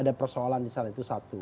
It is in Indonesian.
ada persoalan di sana itu satu